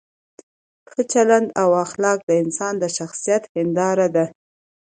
ښه چلند او اخلاق د انسان د شخصیت هنداره ده.